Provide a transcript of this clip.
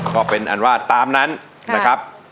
ก็เป็นอันว่าตามนั้นนะครับ